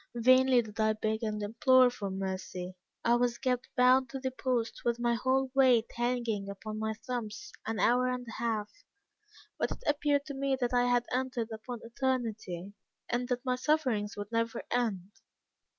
"Vainly did I beg and implore for mercy. I was kept bound to the post with my whole weight hanging upon my thumbs, an hour and a half, but it appeared to me that I had entered upon eternity, and that my sufferings would never end.